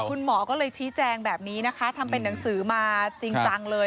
คุณหมอก็เลยชี้แจงแบบนี้นะคะทำเป็นหนังสือมาจริงจังเลย